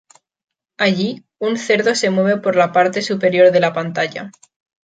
Allí, un cerdo se mueve por la parte superior de la pantalla.